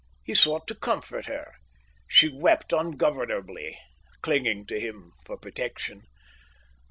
He sought to comfort her. She wept ungovernably, clinging to him for protection.